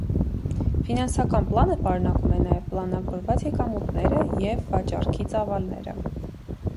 Ֆինանսական պլանը պարունակում է նաև պլանավորված եկամուտները և վաճառքի ծավալները։